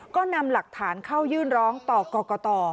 ก็นำหลักฐานเข้ายื่นร้องต่อกรกต